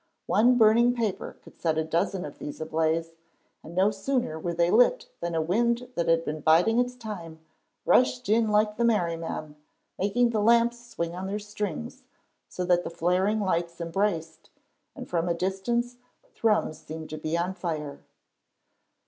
One burning paper could set a dozen of these ablaze, and no sooner were they lit than a wind that had been biding its time rushed in like the merriman, making the lamps swing on their strings, so that the flaring lights embraced, and from a distance Thrums seemed to be on fire.